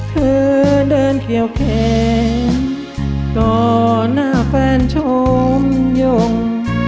เธอเดินเขียวแขนก่อหน้าแฟนชมยง